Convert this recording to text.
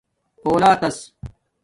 اُلاتس